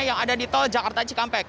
yang ada di tol jakarta cikampek